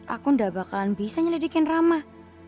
aku gak bakalan bisa nyelidikin ramah